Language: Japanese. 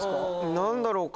何だろうか？